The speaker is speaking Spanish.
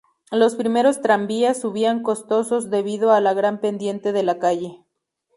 Los primeros tranvías subían costosos debido a la gran pendiente de la calle.